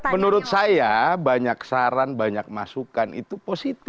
menurut saya banyak saran banyak masukan itu positif